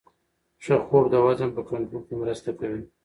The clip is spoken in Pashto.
ښه خوب د وزن په کنټرول کې مرسته کوي.